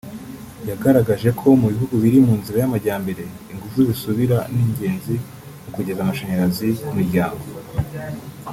yagaragaje ko mu bihugu biri mu nzira y’amajyambere ingufu zisubira ni ingezi mu kugeza amashanyarazi ku miryango